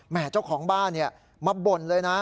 แม่เจ้าของบ้านเนี่ยมาบ่นเลยนะ